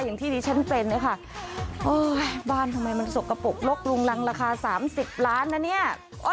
อย่างที่นี่ฉันเป็นนะคะบ้านทำไมมันสกปรกลกลุงรังราคาสามสิบล้านนะเนี้ย